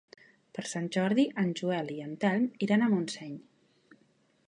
Per Sant Jordi en Joel i en Telm iran a Montseny.